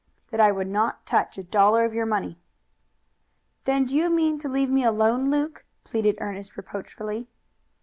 "That I would not touch a dollar of your money." "Then do you mean to leave me alone, Luke?" pleaded Ernest reproachfully.